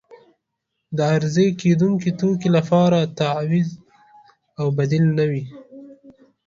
د عرضه کیدونکې توکي لپاره تعویض او بدیل نه وي.